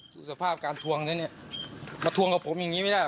สภาพการทวงเงินเนี่ยมาทวงกับผมอย่างนี้ไม่ได้